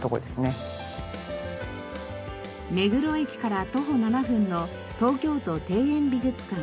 目黒駅から徒歩７分の東京都庭園美術館。